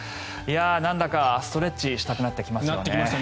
なんだかストレッチしたくなってきますね。